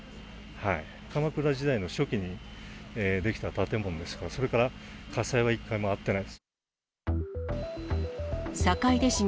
鎌倉時代の初期に出来た建物ですから、それから火災は一回も遭ってないです。